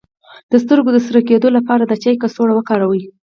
د سترګو د سره کیدو لپاره د چای کڅوړه وکاروئ